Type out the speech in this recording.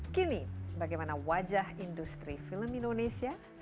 kini bagaimana wajah industri film indonesia